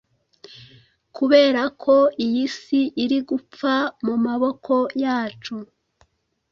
Kuberako iyi si iri gupfa mumaboko yacu